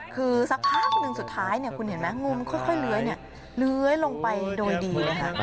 คือสักภาพหนึ่งสุดท้ายเนี่ยคุณเห็นมั้ยงูมันค่อยเลี้ยงลงไปโดยดีเลยนะครับ